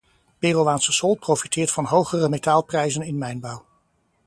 Peruaanse sol profiteert van hogere metaalprijzen in mijnbouw.